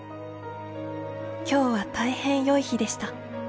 今日は大変よい日でした。